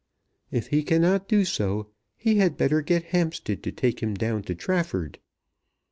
If he cannot do so, he had better get Hampstead to take him down to Trafford.